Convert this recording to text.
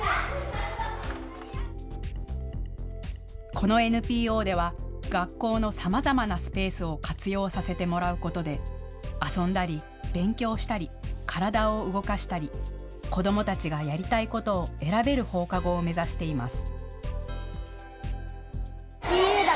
このＮＰＯでは学校のさまざまなスペースを活用させてもらうことで遊んだり勉強したり体を動かしたり子どもたちがやりたいことを選べる放課後を目指しています。